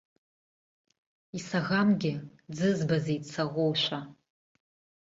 Исаӷамгьы дзызбазеи дсаӷоушәа?